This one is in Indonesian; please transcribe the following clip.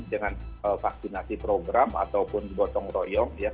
dengan vaksinasi program ataupun gotong royong